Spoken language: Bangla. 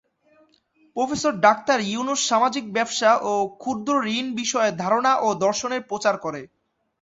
প্রফেসর ডাক্তার ইউনূস সামাজিক ব্যবসা ও ক্ষুদ্রঋণ বিষয়ে ধারণা ও দর্শনের প্রচার করে।